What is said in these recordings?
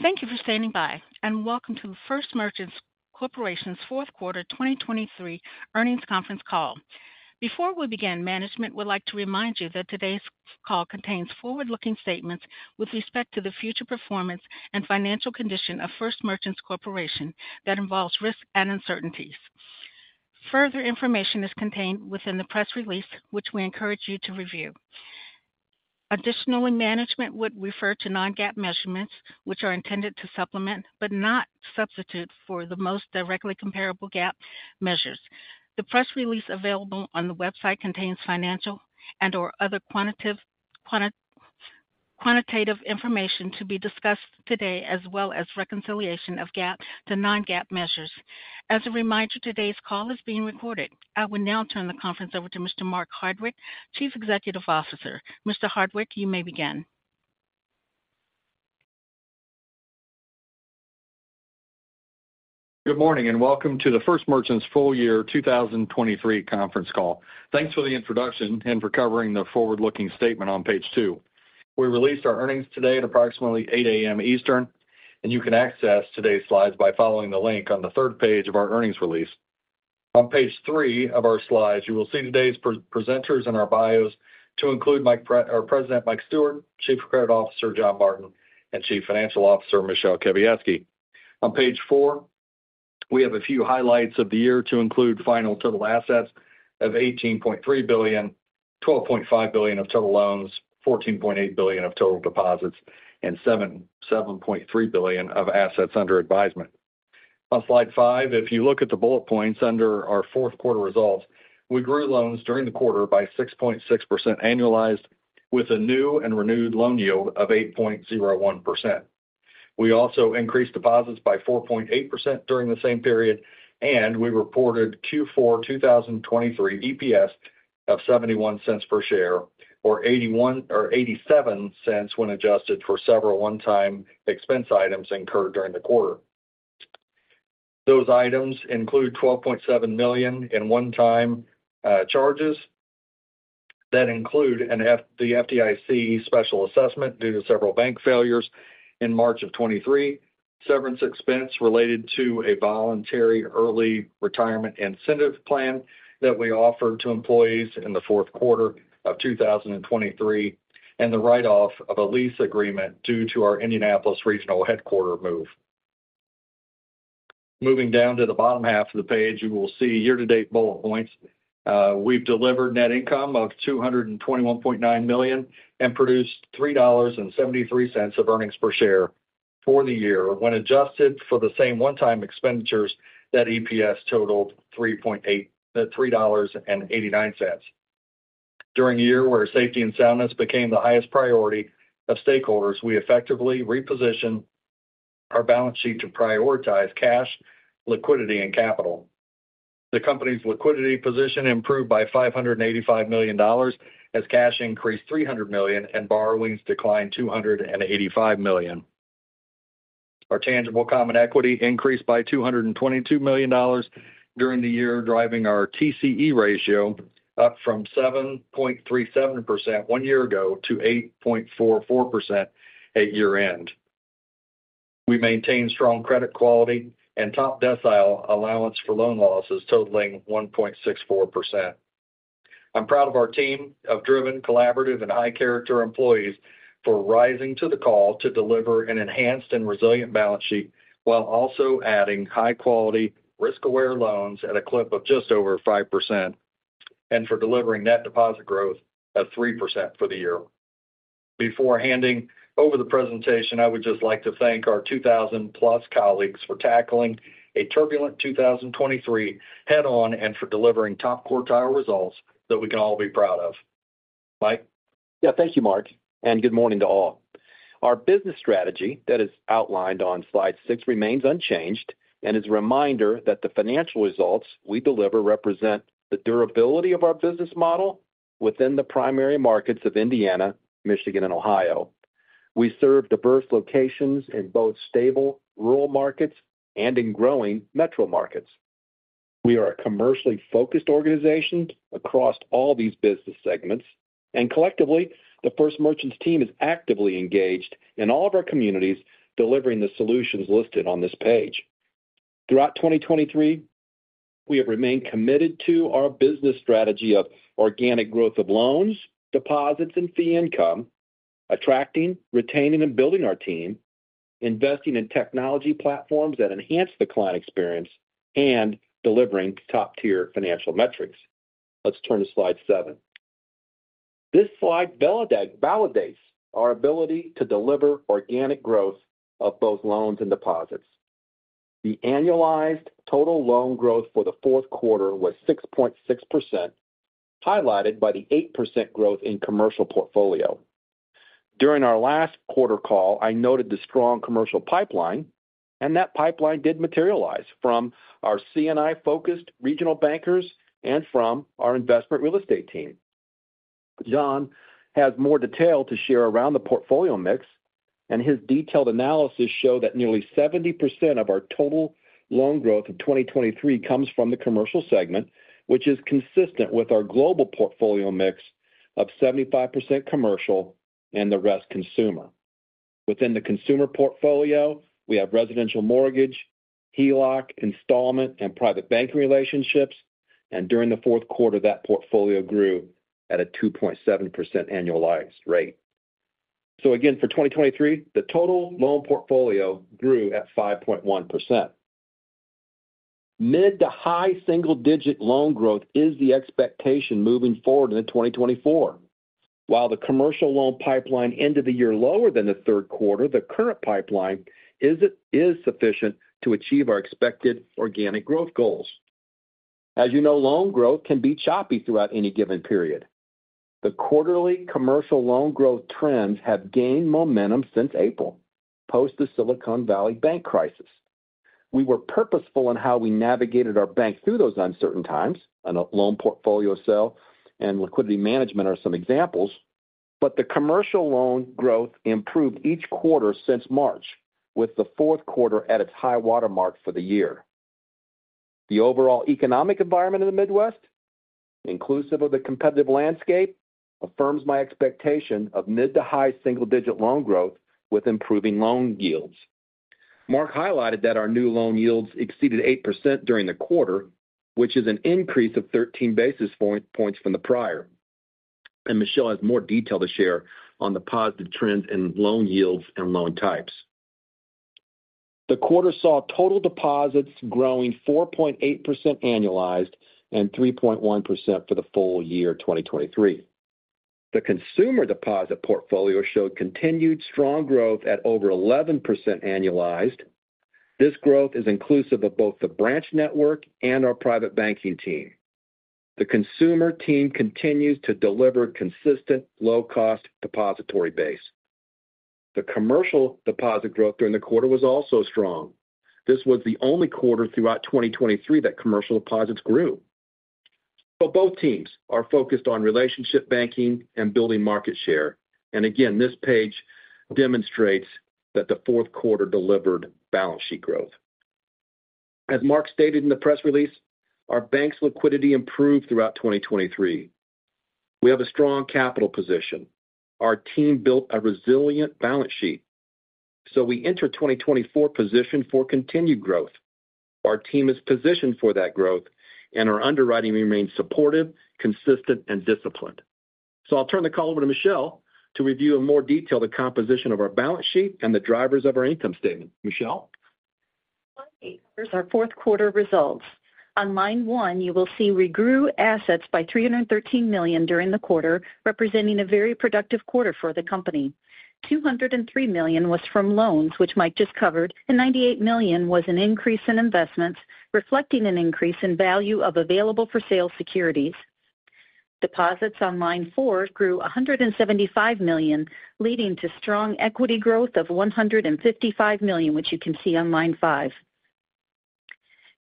Thank you for standing by, and welcome to the First Merchants Corporation's Q4 2023 earnings conference call. Before we begin, management would like to remind you that today's call contains forward-looking statements with respect to the future performance and financial condition of First Merchants Corporation that involves risks and uncertainties. Further information is contained within the press release, which we encourage you to review. Additionally, management would refer to non-GAAP measurements, which are intended to supplement, but not substitute for, the most directly comparable GAAP measures. The press release available on the website contains financial and/or other quantitative information to be discussed today, as well as reconciliation of GAAP to non-GAAP measures. As a reminder, today's call is being recorded. I will now turn the conference over to Mr. Mark Hardwick, Chief Executive Officer. Mr. Hardwick, you may begin. Good morning, and welcome to the First Merchants full year 2023 conference call. Thanks for the introduction and for covering the forward-looking statement on page 2. We released our earnings today at approximately eight A.M. Eastern, and you can access today's slides by following the link on the third page of our earnings release. On page three of our slides, you will see today's presenters and our bios to include our President, Mike Stewart; Chief Credit Officer, John Martin; and Chief Financial Officer, Michele Kawiecki. On page four, we have a few highlights of the year to include final total assets of $18.3 billion, $12.5 billion of total loans, $14.8 billion of total deposits, and $7.3 billion of assets under advisement. On slide five, if you look at the bullet points under our Q4 results, we grew loans during the quarter by 6.6% annualized, with a new and renewed loan yield of 8.01%. We also increased deposits by 4.8% during the same period, and we reported Q4 2023 EPS of $0.71 per share, or $0.81 or $0.87 when adjusted for several one-time expense items incurred during the quarter. Those items include $12.7 million in one-time charges that include the FDIC special assessment due to several bank failures in March 2023, severance expense related to a voluntary early retirement incentive plan that we offered to employees in the Q4 of 2023, and the write-off of a lease agreement due to our Indianapolis regional headquarters move. Moving down to the bottom half of the page, you will see year-to-date bullet points. We've delivered net income of $221.9 million and produced $3.73 of earnings per share for the year. When adjusted for the same one-time expenditures, that EPS totaled three point eight, three dollars and eighty-nine cents. During a year where safety and soundness became the highest priority of stakeholders, we effectively repositioned our balance sheet to prioritize cash, liquidity, and capital. The company's liquidity position improved by $585 million as cash increased $300 million and borrowings declined $285 million. Our tangible common equity increased by $222 million during the year, driving our TCE ratio up from 7.37% one year ago to 8.44% at year-end. We maintained strong credit quality and top-decile allowance for loan losses totaling 1.64%. I'm proud of our team of driven, collaborative, and high-character employees for rising to the call to deliver an enhanced and resilient balance sheet, while also adding high-quality, risk-aware loans at a clip of just over 5%, and for delivering net deposit growth of 3% for the year. Before handing over the presentation, I would just like to thank our 2,000+ colleagues for tackling a turbulent 2023 head on and for delivering top-quartile results that we can all be proud of. Mike? Yeah, thank you, Mark, and good morning to all. Our business strategy that is outlined on slide six remains unchanged and is a reminder that the financial results we deliver represent the durability of our business model within the primary markets of Indiana, Michigan, and Ohio. We serve diverse locations in both stable rural markets and in growing metro markets. We are a commercially focused organization across all these business segments, and collectively, the First Merchants team is actively engaged in all of our communities, delivering the solutions listed on this page. Throughout 2023, we have remained committed to our business strategy of organic growth of loans, deposits, and fee income, attracting, retaining, and building our team, investing in technology platforms that enhance the client experience, and delivering top-tier financial metrics. Let's turn to slide 7. This slide validates our ability to deliver organic growth of both loans and deposits. The annualized total loan growth for the Q4 was 6.6%, highlighted by the 8% growth in commercial portfolio. During our last quarter call, I noted the strong commercial pipeline, and that pipeline did materialize from our C&I-focused regional bankers and from our investment real estate team. John has more detail to share around the portfolio mix, and his detailed analysis show that nearly 70% of our total loan terms in 2023 comes from the commercial segment, which is consistent with our global portfolio mix of 75% commercial and the rest consumer. Within the consumer portfolio, we have residential mortgage, HELOC, installment, and private banking relationships, and during the Q4, that portfolio grew at a 2.7% annualized rate. So again, for 2023, the total loan portfolio grew at 5.1%. Mid- to high single-digit loan growth is the expectation moving forward into 2024. While the commercial loan pipeline ended the year lower than the Q3, the current pipeline is sufficient to achieve our expected organic growth goals. As you know, loan growth can be choppy throughout any given period. The quarterly commercial loan growth trends have gained momentum since April, post the Silicon Valley Bank crisis. We were purposeful in how we navigated our bank through those uncertain times. A loan portfolio sale and liquidity management are some examples, but the commercial loan growth improved each quarter since March, with the Q4 at its high water mark for the year. The overall economic environment in the Midwest, inclusive of the competitive landscape, affirms my expectation of mid- to high single-digit loan growth with improving loan yields. Mark highlighted that our new loan yields exceeded 8% during the quarter, which is an increase of thirteen basis points from the prior. And Michele has more detail to share on the positive trends in loan yields and loan types. The quarter saw total deposits growing 4.8% annualized and 3.1% for the full year of 2023. The consumer deposit portfolio showed continued strong growth at over 11% annualized. This growth is inclusive of both the branch network and our private banking team. The consumer team continues to deliver consistent low-cost depository base. The commercial deposit growth during the quarter was also strong. This was the only quarter throughout 2023 that commercial deposits grew. But both teams are focused on relationship banking and building market share. And again, this page demonstrates that the Q4 delivered balance sheet growth. As Mark stated in the press release, our bank's liquidity improved throughout 2023. We have a strong capital position. Our team built a resilient balance sheet, so we enter 2024 positioned for continued growth. Our team is positioned for that growth, and our underwriting remains supportive, consistent, and disciplined. So I'll turn the call over to Michele to review in more detail the composition of our balance sheet and the drivers of our income statement. Michele? Here's our Q4 results. On line one, you will see we grew assets by $313 million during the quarter, representing a very productive quarter for the company. $203 million was from loans, which Mike just covered, and $98 million was an increase in investments, reflecting an increase in value of available-for-sale securities. Deposits on line four grew $175 million, leading to strong equity growth of $155 million, which you can see on line 5.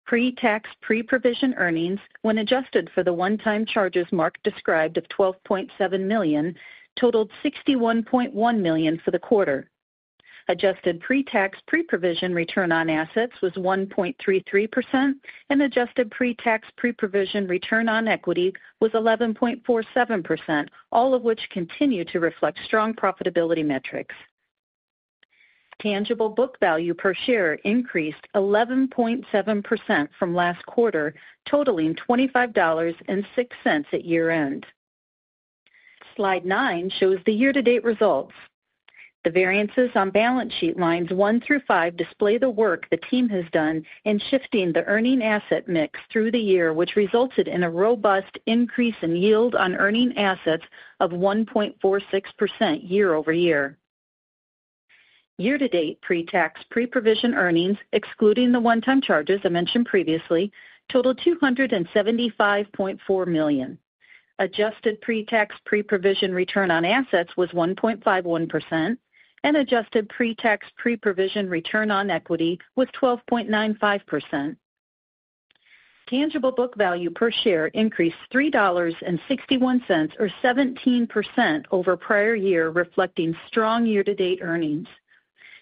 Pre-Tax, Pre-Provision Earnings, when adjusted for the one-time charges Mark described of $12.7 million, totaled $61.1 million for the quarter. Adjusted Pre-Tax, Pre-Provision return on assets was 1.33%, and adjusted Pre-Tax, Pre-Provision return on equity was 11.47%, all of which continue to reflect strong profitability metrics. Tangible book value per share increased 11.7% from last quarter, totaling $25.06 at year-end. Slide nine shows the year-to-date results. The variances on balance sheet lines one through five display the work the team has done in shifting the earning asset mix through the year, which resulted in a robust increase in yield on earning assets of 1.46% year-over-year. Year-to-date pre-tax, pre-provision earnings, excluding the one-time charges I mentioned previously, totaled $275.4 million. Adjusted pre-tax, pre-provision return on assets was 1.51%, and adjusted pre-tax, pre-provision return on equity was 12.95%. Tangible book value per share increased $3.61, or 17% over prior year, reflecting strong year-to-date earnings.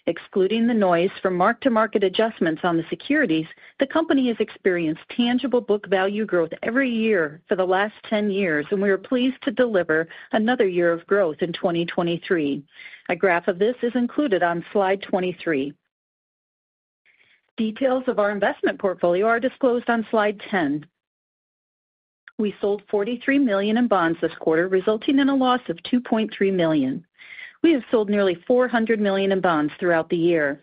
Excluding the noise from mark-to-market adjustments on the securities, the company has experienced tangible book value growth every year for the last 10 years, and we are pleased to deliver another year of growth in 2023. A graph of this is included on slide 23. Details of our investment portfolio are disclosed on slide 10. We sold $43 million in bonds this quarter, resulting in a loss of $2.3 million. We have sold nearly $400 million in bonds throughout the year.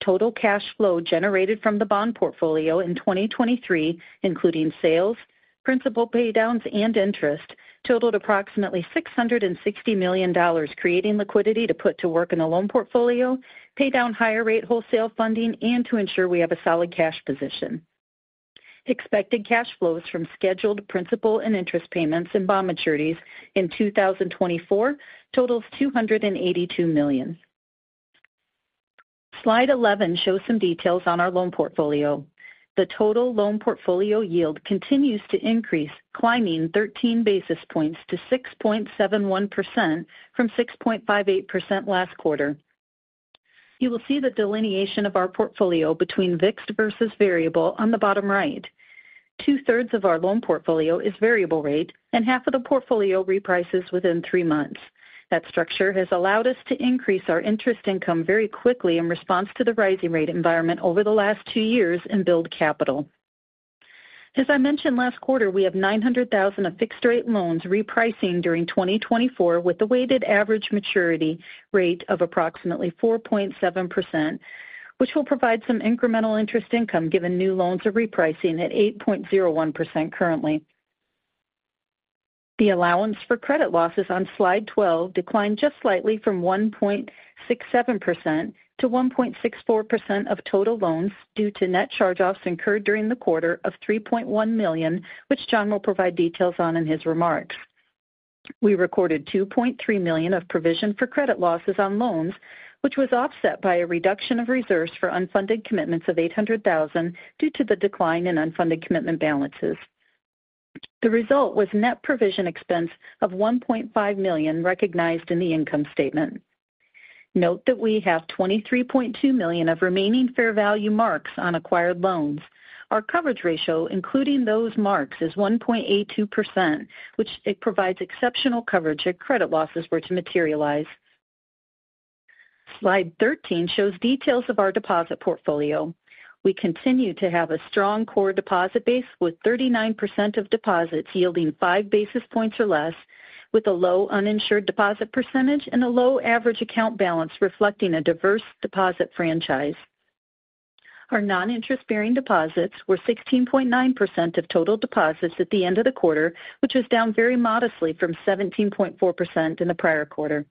Total cash flow generated from the bond portfolio in 2023, including sales, principal paydowns, and interest, totaled approximately $660 million, creating liquidity to put to work in the loan portfolio, pay down higher rate wholesale funding, and to ensure we have a solid cash position. Expected cash flows from scheduled principal and interest payments and bond maturities in 2024 totals $282 million. Slide 11 shows some details on our loan portfolio. The total loan portfolio yield continues to increase, climbing 13 basis points to 6.71% from 6.58% last quarter. You will see the delineation of our portfolio between fixed versus variable on the bottom right. Two-thirds of our loan portfolio is variable rate, and half of the portfolio reprices within three months. That structure has allowed us to increase our interest income very quickly in response to the rising rate environment over the last two years and build capital. As I mentioned last quarter, we have $900,000 of fixed-rate loans repricing during 2024, with a weighted average maturity rate of approximately 4.7%, which will provide some incremental interest income, given new loans are repricing at 8.01% currently. The allowance for credit losses on slide 12 declined just slightly from 1.67% - 1.64% of total loans due to net charge-offs incurred during the quarter of $3.1 million, which John will provide details on in his remarks. We recorded $2.3 million of provision for credit losses on loans, which was offset by a reduction of reserves for unfunded commitments of $800,000 due to the decline in unfunded commitment balances. The result was net provision expense of $1.5 million recognized in the income statement. Note that we have $23.2 million of remaining fair value marks on acquired loans. Our coverage ratio, including those marks, is 1.82%, which it provides exceptional coverage if credit losses were to materialize. Slide 13 shows details of our deposit portfolio. We continue to have a strong core deposit base, with 39% of deposits yielding five basis points or less, with a low uninsured deposit percentage and a low average account balance reflecting a diverse deposit franchise. Our non-interest-bearing deposits were 16.9% of total deposits at the end of the quarter, which was down very modestly from 17.4% in the prior quarter.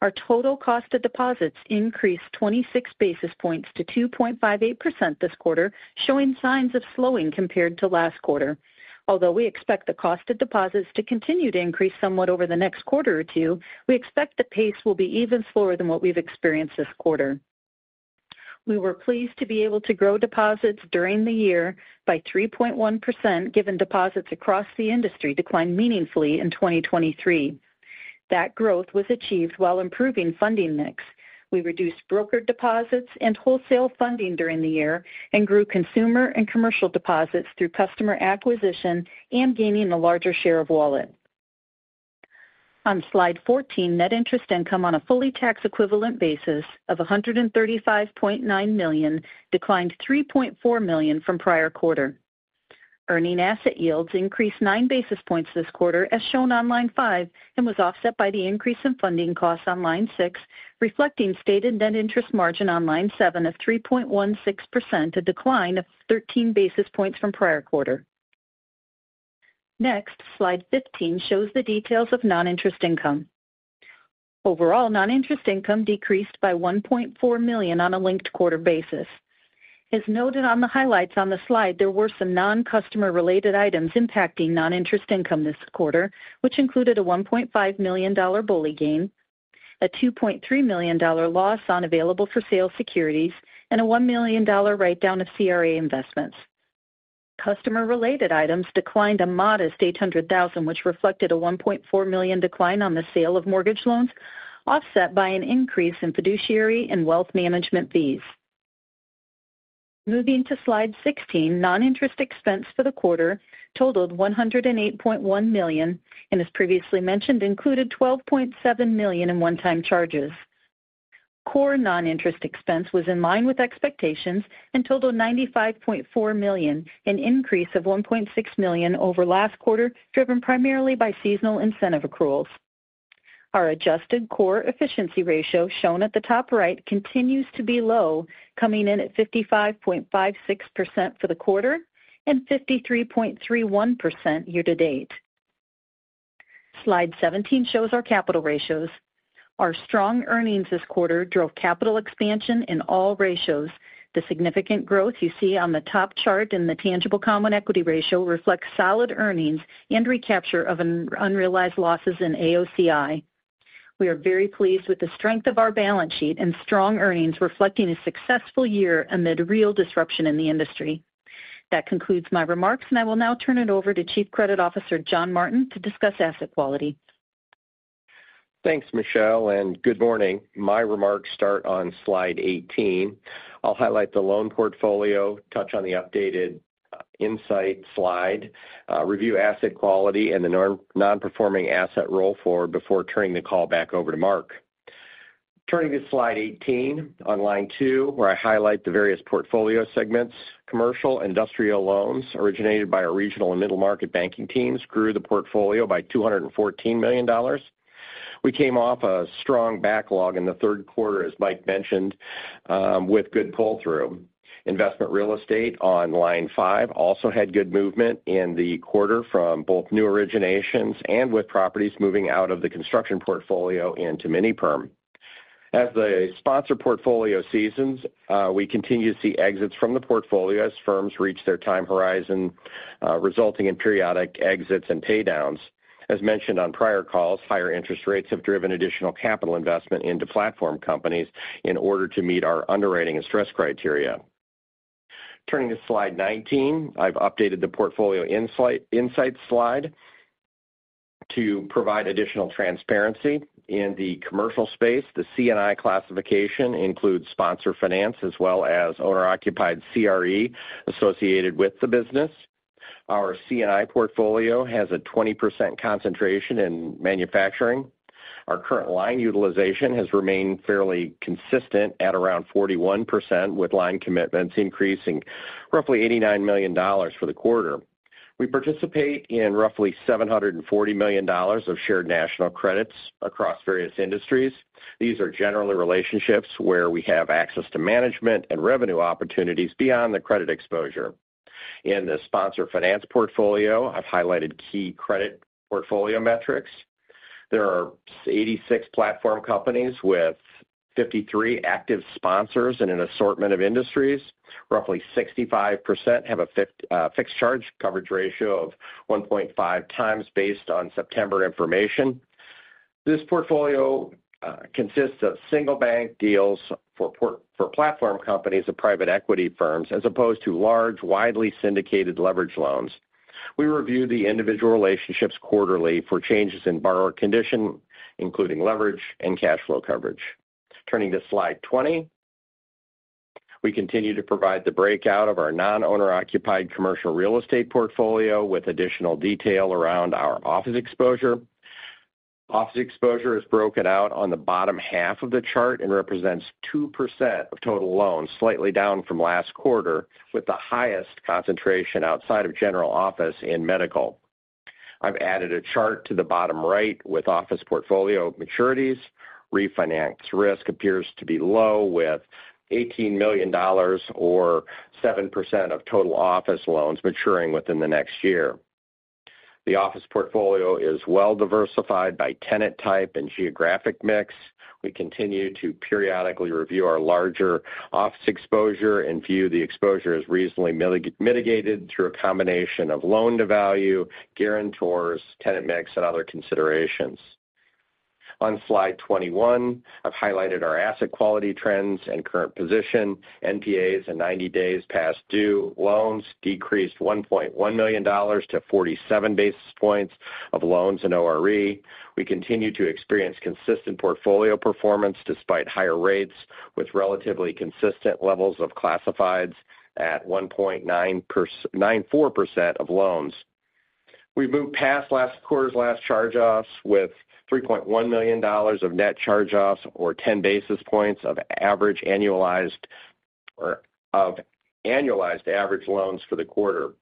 Our total cost of deposits increased 26 basis points to 2.58% this quarter, showing signs of slowing compared to last quarter. Although we expect the cost of deposits to continue to increase somewhat over the next quarter or two, we expect the pace will be even slower than what we've experienced this quarter. We were pleased to be able to grow deposits during the year by 3.1%, given deposits across the industry declined meaningfully in 2023. That growth was achieved while improving funding mix. We reduced broker deposits and wholesale funding during the year and grew consumer and commercial deposits through customer acquisition and gaining a larger share of wallet. On slide 14, net interest income on a fully tax-equivalent basis of $135.9 million declined $3.4 million from prior quarter. Earning asset yields increased nine basis points this quarter, as shown on line five, and was offset by the increase in funding costs on line six, reflecting stated net interest margin on line seven of 3.16%, a decline of 13 basis points from prior quarter. Next, slide 15 shows the details of non-interest income. Overall, non-interest income decreased by $1.4 million on a linked quarter basis. As noted on the highlights on the slide, there were some non-customer related items impacting non-interest income this quarter, which included a $1.5 million BOLI gain, a $2.3 million loss on available-for-sale securities, and a $1 million write-down of CRA investments. Customer-related items declined a modest $800,000, which reflected a $1.4 million decline on the sale of mortgage loans, offset by an increase in fiduciary and wealth management fees. Moving to slide 16, non-interest expense for the quarter totaled $108.1 million, and as previously mentioned, included $12.7 million in one-time charges. Core non-interest expense was in line with expectations and totaled $95.4 million, an increase of $1.6 million over last quarter, driven primarily by seasonal incentive accruals. Our adjusted core efficiency ratio, shown at the top right, continues to be low, coming in at 55.56% for the quarter and 53.31% year to date. Slide 17 shows our capital ratios. Our strong earnings this quarter drove capital expansion in all ratios. The significant growth you see on the top chart in the tangible common equity ratio reflects solid earnings and recapture of an unrealized losses in AOCI. We are very pleased with the strength of our balance sheet and strong earnings, reflecting a successful year amid real disruption in the industry. That concludes my remarks, and I will now turn it over to Chief Credit Officer John Martin, to discuss asset quality. Thanks, Michele, and good morning. My remarks start on slide 18. I'll highlight the loan portfolio, touch on the updated insight slide, review asset quality and the non-performing asset roll before turning the call back over to Mark. Turning to slide 18, on line two, where I highlight the various portfolio segments. Commercial industrial loans originated by our regional and middle-market banking teams grew the portfolio by $214 million. We came off a strong backlog in the Q3, as Mike mentioned, with good pull-through. Investment real estate on line five also had good movement in the quarter from both new originations and with properties moving out of the construction portfolio into mini-perm. As the sponsor portfolio seasons, we continue to see exits from the portfolio as firms reach their time horizon, resulting in periodic exits and paydowns. As mentioned on prior calls, higher interest rates have driven additional capital investment into platform companies in order to meet our underwriting and stress criteria. Turning to slide 19, I've updated the portfolio insights slide to provide additional transparency. In the commercial space, the C&I classification includes sponsor finance as well as owner-occupied CRE associated with the business. Our C&I portfolio has a 20% concentration in manufacturing. Our current line utilization has remained fairly consistent at around 41%, with line commitments increasing roughly $89 million for the quarter. We participate in roughly $740 million of shared national credits across various industries. These are generally relationships where we have access to management and revenue opportunities beyond the credit exposure. In the sponsor finance portfolio, I've highlighted key credit portfolio metrics. There are 86 platform companies with 53 active sponsors in an assortment of industries. Roughly 65% have a fixed charge coverage ratio of 1.5 times based on September information. This portfolio consists of single bank deals for platform companies of private equity firms, as opposed to large, widely syndicated leverage loans. We review the individual relationships quarterly for changes in borrower condition, including leverage and cash flow coverage. Turning to slide 20. We continue to provide the breakout of our non-owner-occupied commercial real estate portfolio with additional detail around our office exposure. Office exposure is broken out on the bottom half of the chart and represents 2% of total loans, slightly down from last quarter, with the highest concentration outside of general office in medical. I've added a chart to the bottom right with office portfolio maturities. Refinance risk appears to be low, with $18 million or 7% of total office loans maturing within the next year. The office portfolio is well-diversified by tenant type and geographic mix. We continue to periodically review our larger office exposure and view the exposure as reasonably mitigated through a combination of loan-to-value, guarantors, tenant mix, and other considerations. On slide 21, I've highlighted our asset quality trends and current position. NPAs and 90 days past due loans decreased $1.1 million to 47 basis points of loans and ORE. We continue to experience consistent portfolio performance despite higher rates, with relatively consistent levels of classifieds at 1.94% of loans. We've moved past last quarter's charge-offs, with $3.1 million of net charge-offs, or 10 basis points of annualized average loans for the quarter.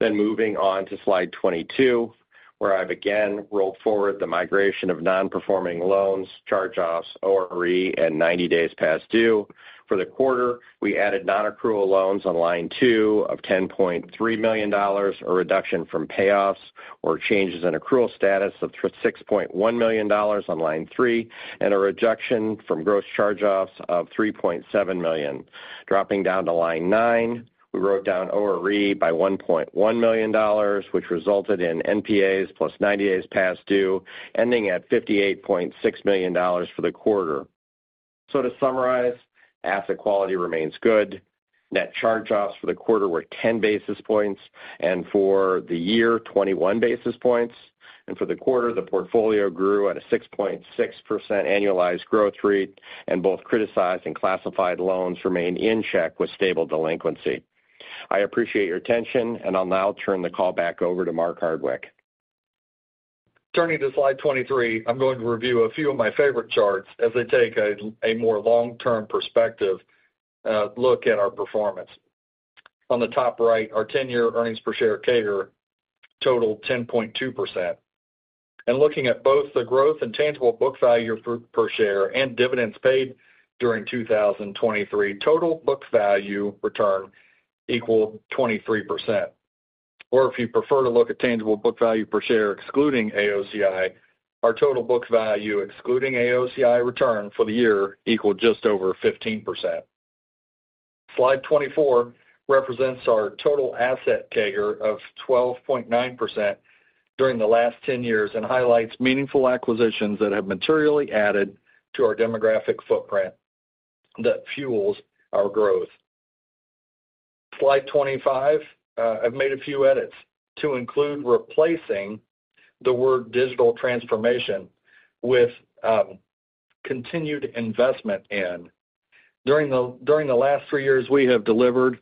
Then moving on to slide 22, where I've again rolled forward the migration of non-performing loans, charge-offs, ORE, and 90 days past due. For the quarter, we added nonaccrual loans on line two of $10.3 million, a reduction from payoffs or changes in accrual status of $6.1 million on line three, and a reduction from gross charge-offs of $3.7 million. Dropping down to line nine, we wrote down ORE by $1.1 million, which resulted in NPAs plus 90 days past due, ending at $58.6 million for the quarter. So to summarize, asset quality remains good. Net charge-offs for the quarter were 10 basis points, and for the year, 21 basis points. For the quarter, the portfolio grew at a 6.6% annualized growth rate, and both criticized and classified loans remain in check with stable delinquency. I appreciate your attention, and I'll now turn the call back over to Mark Hardwick. Turning to slide 23, I'm going to review a few of my favorite charts as they take a more long-term perspective look at our performance. On the top right, our 10-year earnings per share CAGR totaled 10.2%. And looking at both the growth and tangible book value per share and dividends paid during 2023, total book value return equaled 23%. Or if you prefer to look at tangible book value per share excluding AOCI, our total book value, excluding AOCI return for the year, equaled just over 15%. Slide 24 represents our total asset CAGR of 12.9% during the last 10 years and highlights meaningful acquisitions that have materially added to our demographic footprint that fuels our growth. Slide 25, I've made a few edits to include replacing the word digital transformation with continued investment in. During the last three years, we have delivered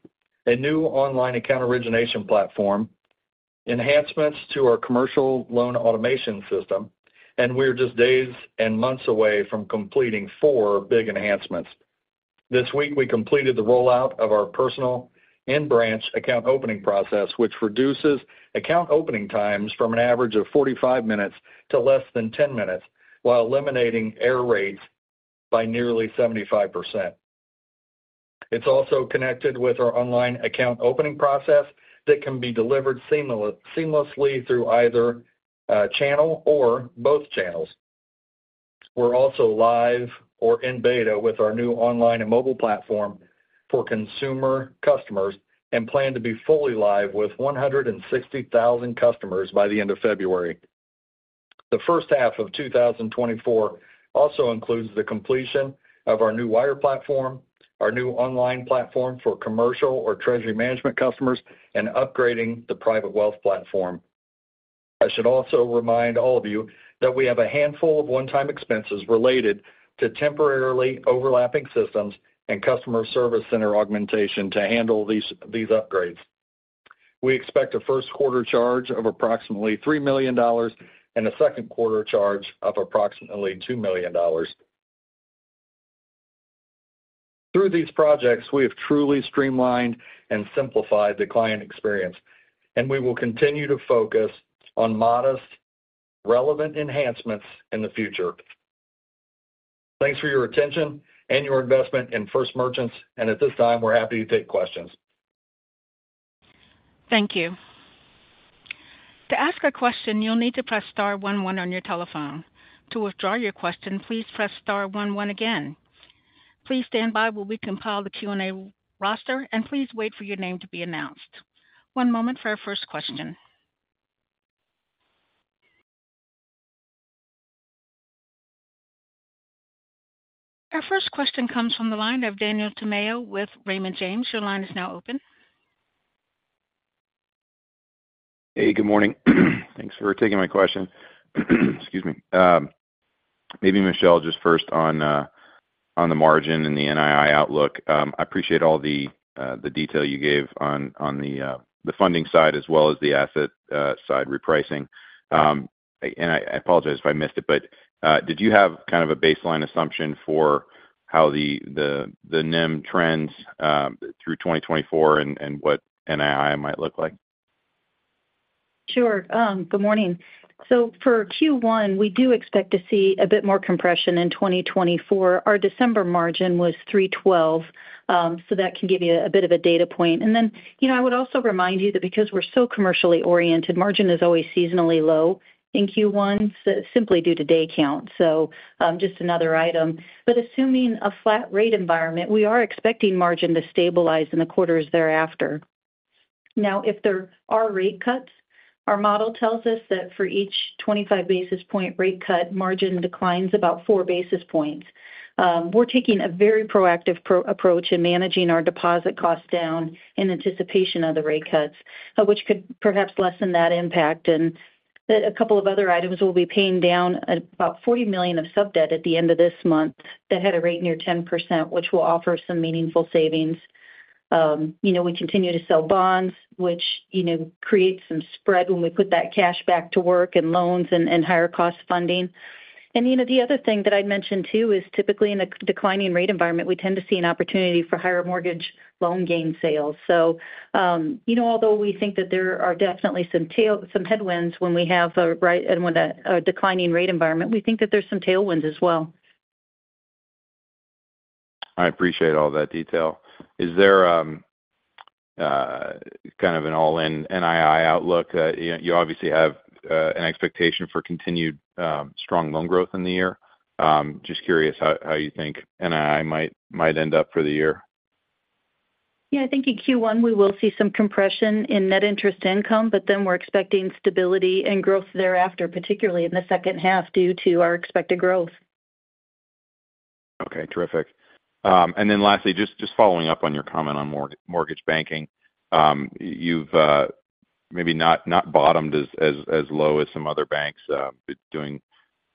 a new online account origination platform, enhancements to our commercial loan automation system, and we're just days and months away from completing four big enhancements. This week, we completed the rollout of our personal and branch account opening process, which reduces account opening times from an average of 45 minutes to less than 10 minutes, while eliminating error rates by nearly 75%. It's also connected with our online account opening process that can be delivered seamlessly through either channel or both channels. We're also live or in beta with our new online and mobile platform for consumer customers and plan to be fully live with 160,000 customers by the end of February. The first half of 2024 also includes the completion of our new wire platform, our new online platform for commercial or treasury management customers, and upgrading the private wealth platform. I should also remind all of you that we have a handful of one-time expenses related to temporarily overlapping systems and customer service center augmentation to handle these upgrades. We expect a Q1 charge of approximately $3 million and a Q2 charge of approximately $2 million. Through these projects, we have truly streamlined and simplified the client experience, and we will continue to focus on modest, relevant enhancements in the future. Thanks for your attention and your investment in First Merchants, and at this time, we're happy to take questions. Thank you. To ask a question, you'll need to press star one one on your telephone. To withdraw your question, please press star one one again. Please stand by while we compile the Q&A roster, and please wait for your name to be announced. One moment for our first question. Our first question comes from the line of Daniel Tamayo with Raymond James. Your line is now open. Hey, good morning. Thanks for taking my question. Excuse me. Maybe Michele, just first on the margin and the NII outlook. I appreciate all the detail you gave on the funding side as well as the asset side repricing. And I apologize if I missed it, but did you have kind of a baseline assumption for how the NIM trends through 2024 and what NII might look like? Sure. Good morning. So for Q1, we do expect to see a bit more compression in 2024. Our December margin was 3.12, so that can give you a bit of a data point. And then, you know, I would also remind you that because we're so commercially oriented, margin is always seasonally low in Q1, so simply due to day count. So, just another item. But assuming a flat rate environment, we are expecting margin to stabilize in the quarters thereafter. Now, if there are rate cuts, our model tells us that for each 25 basis point rate cut, margin declines about four basis points. We're taking a very proactive approach in managing our deposit costs down in anticipation of the rate cuts, which could perhaps lessen that impact. A couple of other items, we'll be paying down about $40 million of sub-debt at the end of this month that had a rate near 10%, which will offer some meaningful savings. You know, we continue to sell bonds, which, you know, create some spread when we put that cash back to work in loans and higher cost funding. You know, the other thing that I'd mention, too, is typically in a declining rate environment, we tend to see an opportunity for higher mortgage loan gain sales. So, you know, although we think that there are definitely some headwinds in a declining rate environment, we think that there's some tailwinds as well. I appreciate all that detail. Is there kind of an all-in NII outlook? You know, you obviously have an expectation for continued strong loan growth in the year. Just curious how you think NII might end up for the year. Yeah, I think in Q1, we will see some compression in net interest income, but then we're expecting stability and growth thereafter, particularly in the second half, due to our expected growth. Okay, terrific. And then lastly, just following up on your comment on mortgage banking. You've maybe not bottomed as low as some other banks, but doing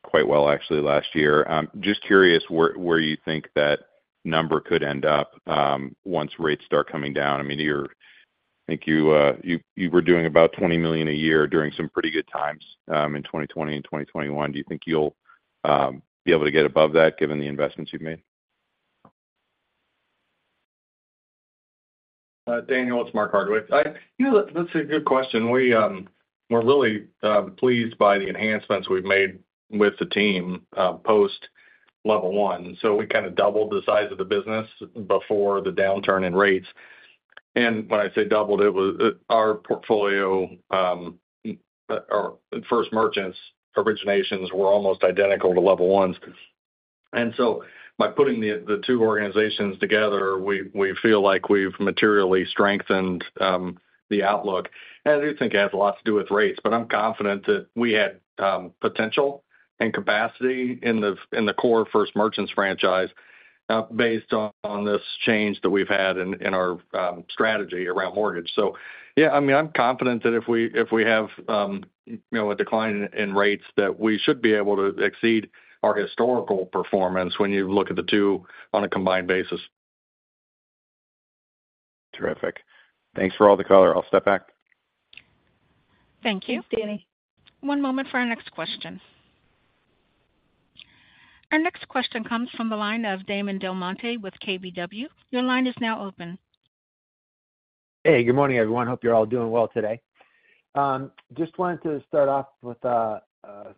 quite well actually last year. Just curious where you think that number could end up once rates start coming down. I mean, I think you were doing about $20 million a year during some pretty good times in 2020 and 2021. Do you think you'll be able to get above that given the investments you've made? Daniel, it's Mark Hardwick. I, you know, that's a good question. We, we're really, pleased by the enhancements we've made with the team, post Level One. So we kind of doubled the size of the business before the downturn in rates. And when I say doubled, it was, our portfolio, or First Merchants originations were almost identical to Level One's. And so by putting the, the two organizations together, we, we feel like we've materially strengthened, the outlook. And I do think it has a lot to do with rates, but I'm confident that we had, potential and capacity in the, in the core First Merchants franchise, based on this change that we've had in, in our, strategy around mortgage. Yeah, I mean, I'm confident that if we, if we have, you know, a decline in rates, that we should be able to exceed our historical performance when you look at the two on a combined basis. Terrific. Thanks for all the color. I'll step back. Thank you. Thanks, Danny. One moment for our next question. Our next question comes from the line of Damon DelMonte with KBW. Your line is now open. Hey, good morning, everyone. Hope you're all doing well today. Just wanted to start off with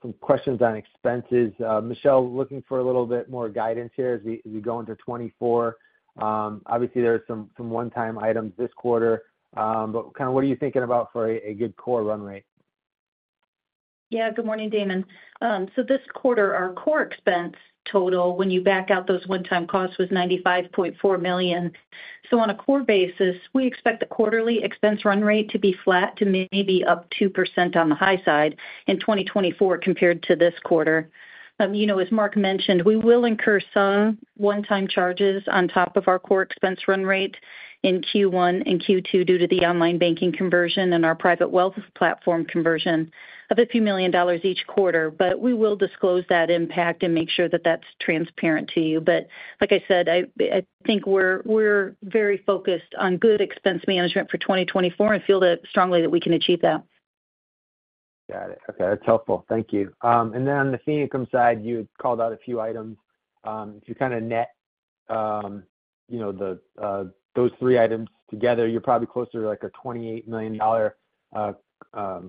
some questions on expenses. Michele, looking for a little bit more guidance here as we go into 2024. Obviously, there are some one-time items this quarter, but kind of what are you thinking about for a good core run rate?... Yeah. Good morning, Damon. So this quarter, our core expense total, when you back out those one-time costs, was $95.4 million. So on a core basis, we expect the quarterly expense run rate to be flat to maybe up 2% on the high side in 2024 compared to this quarter. You know, as Mark mentioned, we will incur some one-time charges on top of our core expense run rate in Q1 and Q2 due to the online banking conversion and our private wealth platform conversion of $a few million each quarter. But we will disclose that impact and make sure that that's transparent to you. But like I said, I, I think we're, we're very focused on good expense management for 2024 and feel that strongly that we can achieve that. Got it. Okay, that's helpful. Thank you. And then on the fee income side, you called out a few items. If you kind of net, you know, the, those three items together, you're probably closer to, like, a $28 million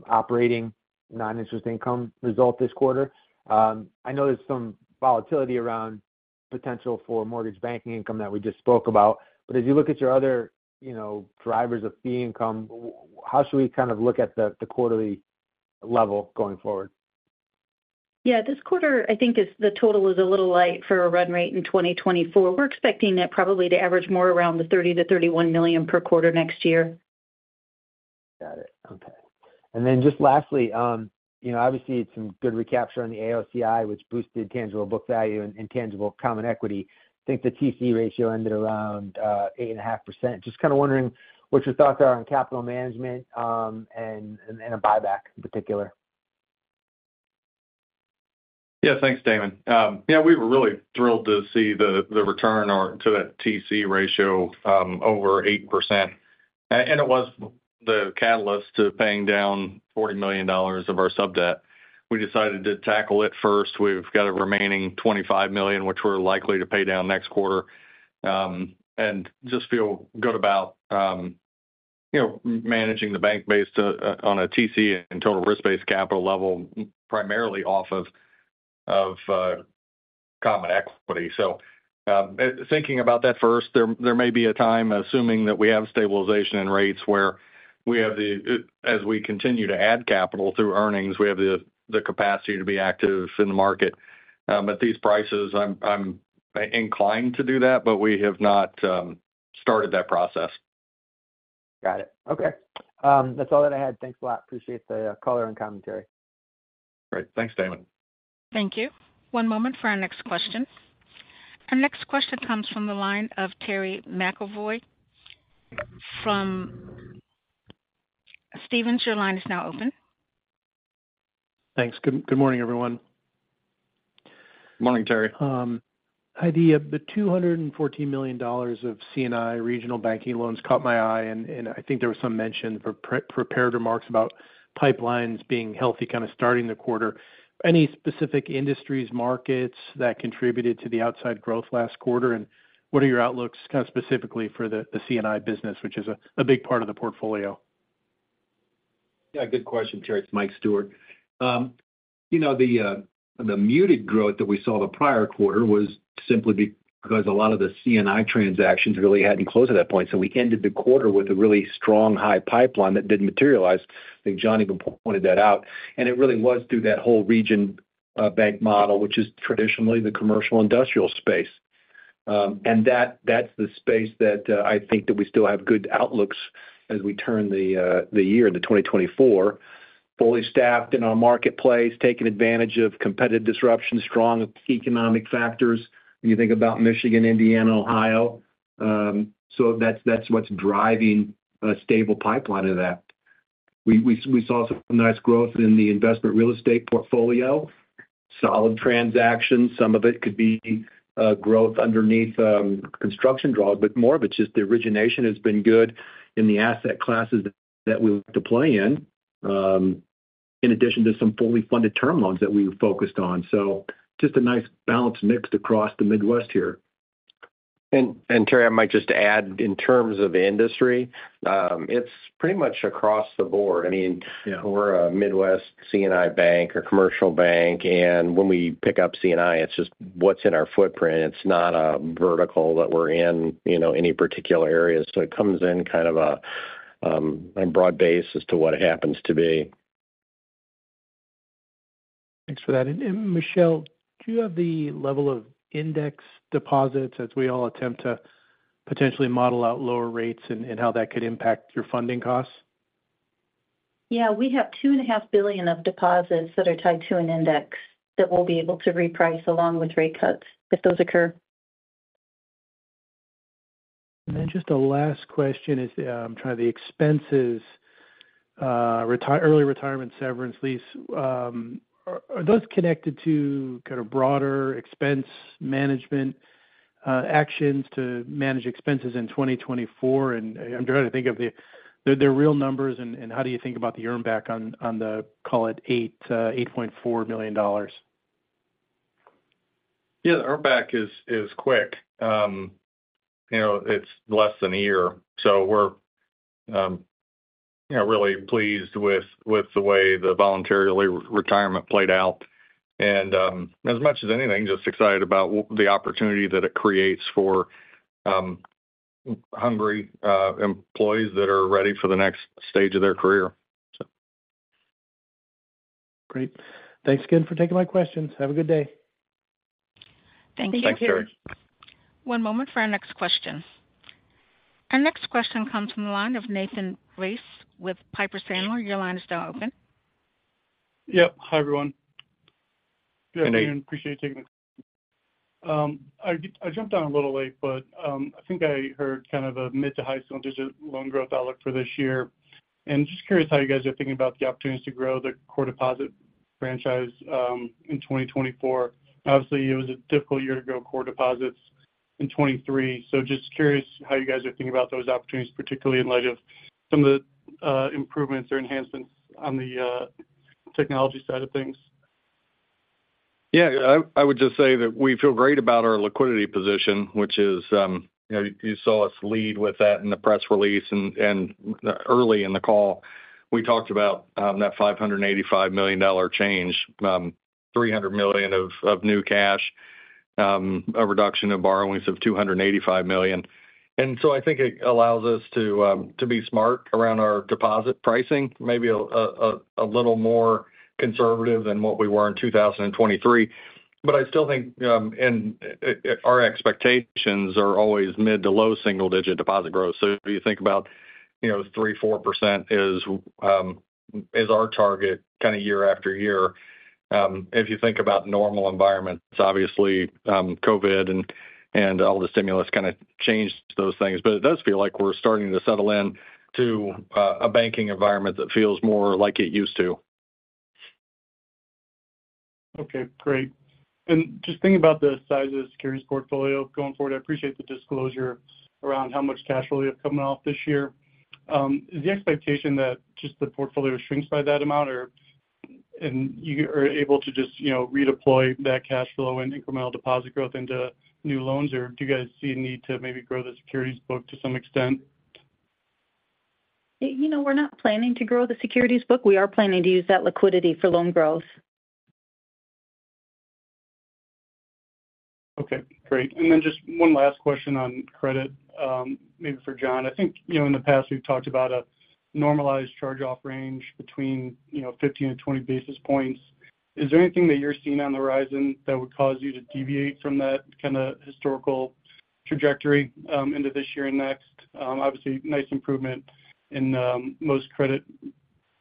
operating non-interest income result this quarter. I know there's some volatility around potential for mortgage banking income that we just spoke about, but as you look at your other, you know, drivers of fee income, how should we kind of look at the, the quarterly level going forward? Yeah, this quarter, I think is the total is a little light for a run rate in 2024. We're expecting that probably to average more around the $30-$31 million per quarter next year. Got it. Okay. And then just lastly, you know, obviously, it's some good recapture on the AOCI, which boosted tangible book value and tangible common equity. I think the TC ratio ended around 8.5%. Just kind of wondering what your thoughts are on capital management, and a buyback in particular. Yeah. Thanks, Damon. Yeah, we were really thrilled to see the, the return on to that TC ratio, over 8%. And it was the catalyst to paying down $40 million of our subdebt. We decided to tackle it first. We've got a remaining $25 million, which we're likely to pay down next quarter. And just feel good about, you know, managing the bank based on a TC and total risk-based capital level, primarily off of common equity. So, thinking about that first, there may be a time, assuming that we have stabilization in rates, where we have the as we continue to add capital through earnings, we have the capacity to be active in the market. At these prices, I'm inclined to do that, but we have not started that process. Got it. Okay. That's all that I had. Thanks a lot. Appreciate the color and commentary. Great. Thanks, Damon. Thank you. One moment for our next question. Our next question comes from the line of Terry McEvoy from Stephens. Your line is now open. Thanks. Good, good morning, everyone. Morning, Terry. Hi, the $214 million of C&I regional banking loans caught my eye, and, and I think there was some mention in prepared remarks about pipelines being healthy, kind of starting the quarter. Any specific industries, markets that contributed to the outsized growth last quarter, and what are your outlooks kind of specifically for the, the C&I business, which is a, a big part of the portfolio? Yeah, good question, Terry. It's Mike Stewart. You know, the muted growth that we saw the prior quarter was simply because a lot of the C&I transactions really hadn't closed at that point, so we ended the quarter with a really strong high pipeline that didn't materialize. I think Johnny pointed that out, and it really was through that whole regional bank model, which is traditionally the commercial industrial space. And that's the space that I think that we still have good outlooks as we turn the year into 2024. Fully staffed in our marketplace, taking advantage of competitive disruption, strong economic factors, when you think about Michigan, Indiana, Ohio. So that's what's driving a stable pipeline of that. We saw some nice growth in the investment real estate portfolio, solid transactions. Some of it could be growth underneath construction draws, but more of it's just the origination has been good in the asset classes that we look to play in, in addition to some fully funded term loans that we've focused on. So just a nice balanced mix across the Midwest here. And, Terry, I might just add, in terms of industry, it's pretty much across the board. I mean- Yeah. We're a Midwest C&I bank or commercial bank, and when we pick up C&I, it's just what's in our footprint. It's not a vertical that we're in, you know, any particular area. So it comes in kind of a, a broad base as to what it happens to be. Thanks for that. And, and Michele, do you have the level of index deposits as we all attempt to potentially model out lower rates and, and how that could impact your funding costs? Yeah. We have $2.5 billion of deposits that are tied to an index that we'll be able to reprice along with rate cuts if those occur. Then just a last question is, timing the expenses, early retirement, severance, lease. Are those connected to kind of broader expense management actions to manage expenses in 2024? And I'm trying to think of the real numbers and how do you think about the earn back on, on the, call it $8.4 million. Yeah. The earn back is quick. You know, it's less than a year, so we're, you know, really pleased with the way the voluntary early retirement played out. And, as much as anything, just excited about the opportunity that it creates for hungry employees that are ready for the next stage of their career, so. Great. Thanks again for taking my questions. Have a good day. Thank you. Thanks, Terry. One moment for our next question. Our next question comes from the line of Nathan Race with Piper Sandler. Your line is now open. Yep. Hi, everyone. Hey, Nate. Good afternoon. Appreciate you taking the call. I jumped on a little late, but I think I heard kind of a mid to high single-digit loan growth outlook for this year. And just curious how you guys are thinking about the opportunities to grow the core deposit franchise in 2024. Obviously, it was a difficult year to grow core deposits in 2023. So just curious how you guys are thinking about those opportunities, particularly in light of some of the improvements or enhancements on the technology side of things. Yeah, I would just say that we feel great about our liquidity position, which is, you know, you saw us lead with that in the press release. And early in the call, we talked about that $585 million change, $300 million of new cash, a reduction of borrowings of $285 million. And so I think it allows us to be smart around our deposit pricing, maybe a little more conservative than what we were in 2023. But I still think, and, our expectations are always mid to low single-digit deposit growth. So if you think about, you know, 3%-4% is our target kind of year after year. If you think about normal environments, obviously, COVID and all the stimulus kind of changed those things. But it does feel like we're starting to settle in to a banking environment that feels more like it used to. Okay, great. And just thinking about the size of the securities portfolio going forward, I appreciate the disclosure around how much cash flow you have coming off this year. Is the expectation that just the portfolio shrinks by that amount? Or, and you are able to just, you know, redeploy that cash flow and incremental deposit growth into new loans, or do you guys see a need to maybe grow the securities book to some extent? You know, we're not planning to grow the securities book. We are planning to use that liquidity for loan growth. Okay, great. And then just one last question on credit, maybe for John. I think, you know, in the past, we've talked about a normalized charge-off range between, you know, 15 and 20 basis points. Is there anything that you're seeing on the horizon that would cause you to deviate from that kind of historical trajectory, into this year and next? Obviously, nice improvement in, most credit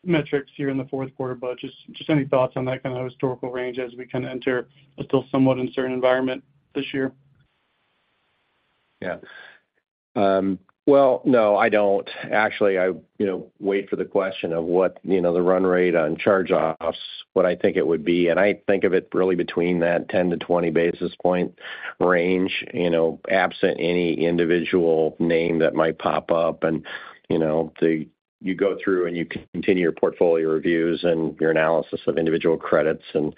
metrics here in the Q4, but just, just any thoughts on that kind of historical range as we kind of enter a still somewhat uncertain environment this year? Yeah. Well, no, I don't. Actually, I, you know, wait for the question of what, you know, the run rate on charge-offs, what I think it would be, and I think of it really between that 10-20 basis point range. You know, absent any individual name that might pop up and, you know, you go through and you continue your portfolio reviews and your analysis of individual credits, and,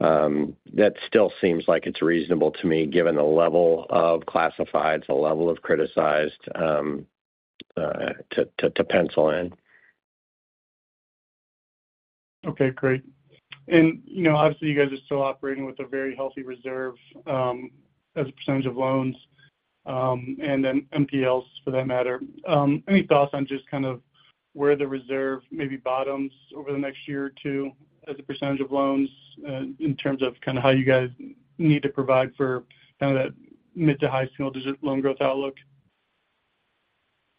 that still seems like it's reasonable to me, given the level of classifieds, the level of criticized, to pencil in. Okay, great. You know, obviously, you guys are still operating with a very healthy reserve, as a percentage of loans, and then NPLs for that matter. Any thoughts on just kind of where the reserve maybe bottoms over the next year or two as a percentage of loans, in terms of kind of how you guys need to provide for kind of that mid- to high single-digit loan growth outlook?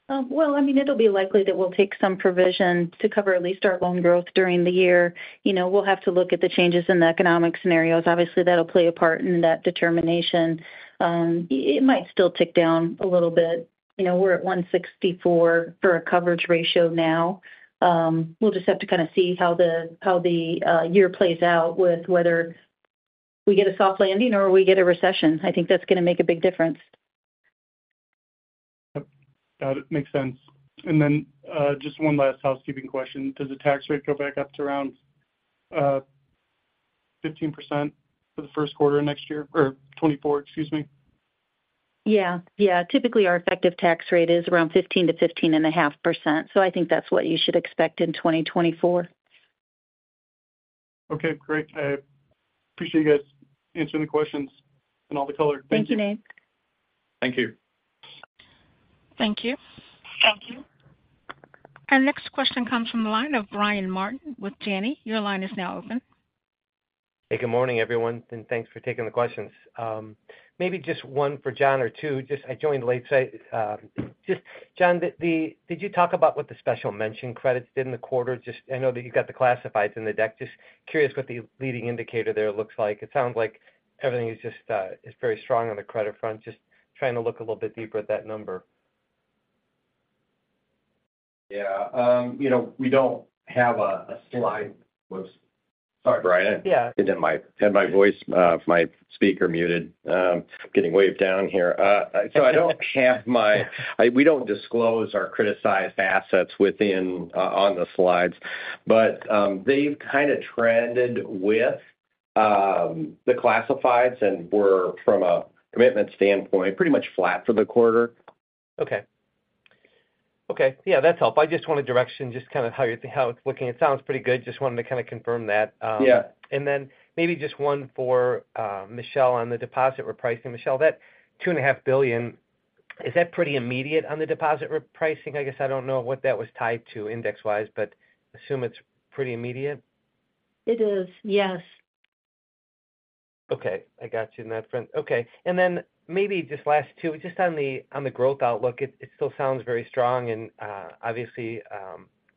Well, I mean, it'll be likely that we'll take some provision to cover at least our loan growth during the year. You know, we'll have to look at the changes in the economic scenarios. Obviously, that'll play a part in that determination. It might still tick down a little bit. You know, we're at 164 for a coverage ratio now. We'll just have to kind of see how the year plays out with whether we get a soft landing or we get a recession. I think that's going to make a big difference. Yep. Got it. Makes sense. And then, just one last housekeeping question: Does the tax rate go back up to around, 15% for the Q1 of next year, or 24%? Excuse me. Yeah. Yeah, typically our effective tax rate is around 15% - 15.5%, so I think that's what you should expect in 2024. Okay, great. I appreciate you guys answering the questions and all the color. Thank you, Nate. Thank you. Thank you. Thank you. Our next question comes from the line of Brian Martin with Janney. Your line is now open. Hey, good morning, everyone, and thanks for taking the questions. Maybe just one for John or two. Just I joined late, so just, John, did you talk about what the special mention credits did in the quarter? Just I know that you got the classifieds in the deck. Just curious what the leading indicator there looks like. It sounds like everything is just is very strong on the credit front. Just trying to look a little bit deeper at that number. Yeah, you know, we don't have a slide. Whoops! Sorry, Brian. Yeah. I had my voice, my speaker muted. Getting waved down here. So I don't have my... We don't disclose our criticized assets within, on the slides. But, they've kind of trended with the classifieds and were, from a commitment standpoint, pretty much flat for the quarter. Okay... Okay. Yeah, that's helpful. I just wanted direction, just kind of how you're-- how it's looking. It sounds pretty good. Just wanted to kind of confirm that. Yeah. And then maybe just one for, Michele, on the deposit repricing. Michele, that $2.5 billion, is that pretty immediate on the deposit repricing? I guess I don't know what that was tied to index-wise, but assume it's pretty immediate. It is, yes. Okay, I got you on that front. Okay, and then maybe just last two, just on the growth outlook, it still sounds very strong and, obviously,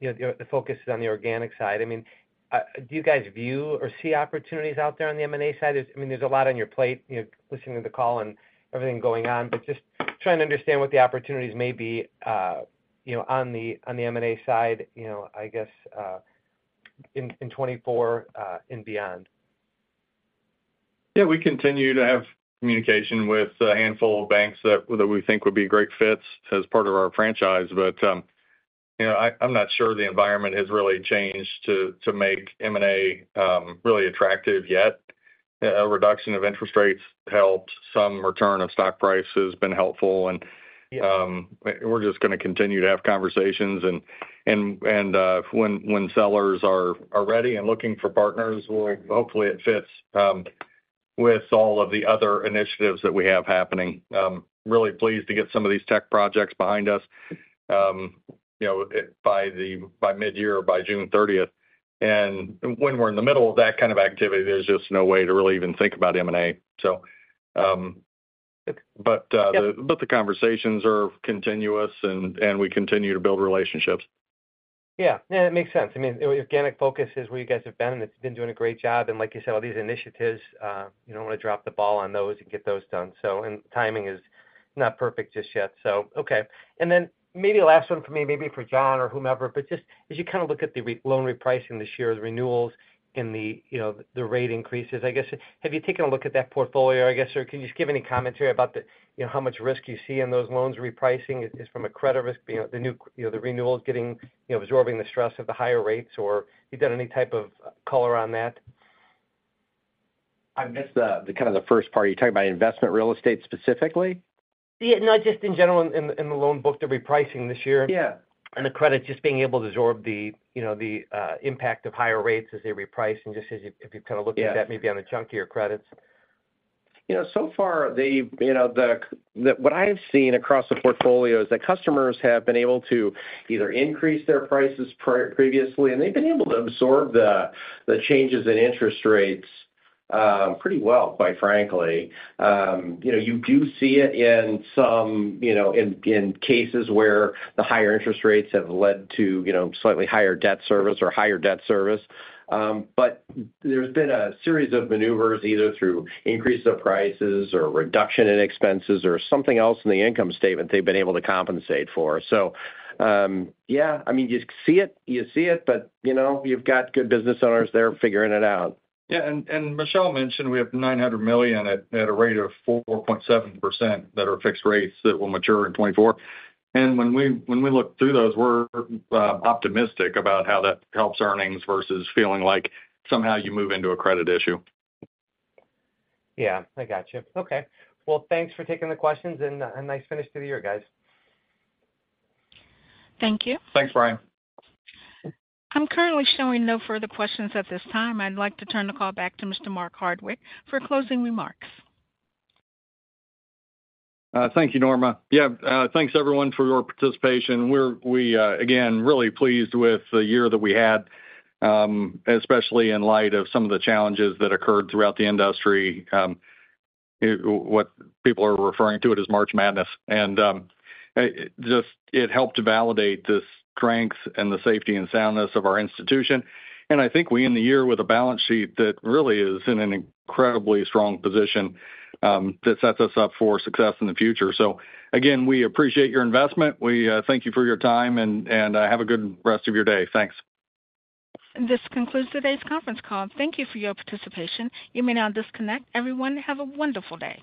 you know, the focus is on the organic side. I mean, do you guys view or see opportunities out there on the M&A side? I mean, there's a lot on your plate, you know, listening to the call and everything going on, but just trying to understand what the opportunities may be, you know, on the, on the M&A side, you know, I guess, in 2024 and beyond. Yeah, we continue to have communication with a handful of banks that we think would be great fits as part of our franchise. But, you know, I, I'm not sure the environment has really changed to make M&A really attractive yet. A reduction of interest rates helped. Some return of stock price has been helpful and, we're just gonna continue to have conversations. And when sellers are ready and looking for partners, well, hopefully it fits with all of the other initiatives that we have happening. Really pleased to get some of these tech projects behind us, you know, by midyear, or by June thirtieth. And when we're in the middle of that kind of activity, there's just no way to really even think about M&A. But the conversations are continuous, and we continue to build relationships. Yeah. Yeah, that makes sense. I mean, organic focus is where you guys have been, and it's been doing a great job. And like you said, all these initiatives, you don't want to drop the ball on those and get those done. So and timing is not perfect just yet, so okay. And then maybe last one for me, maybe for John or whomever, but just as you kind of look at the loan repricing this year, the renewals and the, you know, the rate increases, I guess, have you taken a look at that portfolio, I guess? Or can you just give any commentary about the, you know, how much risk you see in those loans repricing just from a credit risk, you know, the new, you know, the renewals getting, you know, absorbing the stress of the higher rates, or you've done any type of color on that? I missed the, kind of, the first part. You're talking about investment real estate specifically? Yeah, no, just in general, in the loan book, the repricing this year. Yeah. The credit just being able to absorb the, you know, the, impact of higher rates as they reprice and just as you-- if you've kind of looked at that maybe on a chunk of your credits. You know, so far, you know, what I've seen across the portfolio is that customers have been able to either increase their prices previously, and they've been able to absorb the changes in interest rates, pretty well, quite frankly. You know, you do see it in some, you know, cases where the higher interest rates have led to, you know, slightly higher debt service or higher debt service. But there's been a series of maneuvers, either through increases of prices or reduction in expenses or something else in the income statement they've been able to compensate for. So, yeah, I mean, you see it, you see it, but, you know, you've got good business owners there figuring it out. Yeah, and Michelle mentioned we have $900 million at a rate of 4.7% that are fixed rates that will mature in 2024. And when we look through those, we're optimistic about how that helps earnings versus feeling like somehow you move into a credit issue. Yeah, I got you. Okay, well, thanks for taking the questions, and a nice finish to the year, guys. Thank you. Thanks, Brian. I'm currently showing no further questions at this time. I'd like to turn the call back to Mr. Mark Hardwick for closing remarks. Thank you, Norma. Yeah, thanks, everyone, for your participation. We're again really pleased with the year that we had, especially in light of some of the challenges that occurred throughout the industry. What people are referring to it as March Madness, and it just helped to validate the strength and the safety and soundness of our institution. And I think we end the year with a balance sheet that really is in an incredibly strong position that sets us up for success in the future. So again, we appreciate your investment. We thank you for your time, and have a good rest of your day. Thanks. This concludes today's conference call. Thank you for your participation. You may now disconnect. Everyone, have a wonderful day.